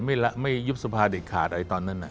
ไม่ยุบสภาเด็กขาดไอ้ตอนนั้นน่ะ